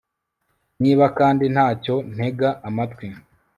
niba kandi nta cyo, ntega amatwi